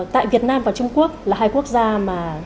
tại việt nam và trung quốc là hai quốc gia mà